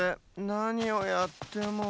なにをやっても。